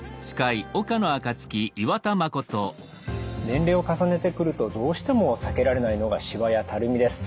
年齢を重ねてくるとどうしても避けられないのがしわやたるみです。